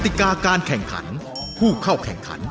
ติกาการแข่งขันผู้เข้าแข่งขัน